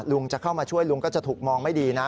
ลุงจะเข้ามาช่วยลุงก็จะถูกมองไม่ดีนะ